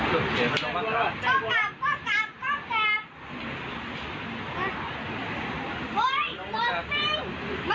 เฮ่ยเหมือนกันมันมันมัน